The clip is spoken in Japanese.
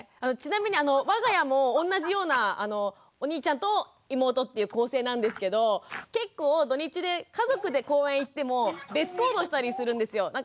ちなみに我が家も同じようなお兄ちゃんと妹という構成なんですけど結構土日で家族で公園行っても別行動したりするんですよ。